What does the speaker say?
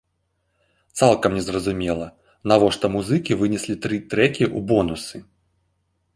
Цалкам незразумела, навошта музыкі вынеслі тры трэкі ў бонусы.